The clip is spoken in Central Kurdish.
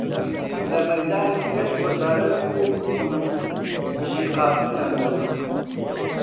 لە مەیدانی پێش وەزارەت کۆ ببوون و بژی قاسمیان دەگوت